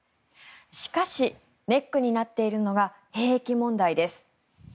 しかし、ネックになっているのが兵役問題です。